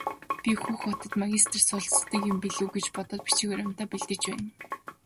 Би Хөх хотод магистрт суралцдаг юм билүү гэж бодоод бичиг баримтаа бэлдэж байна.